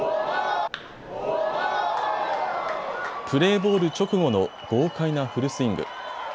プレーボール直後の豪快なフルスイング。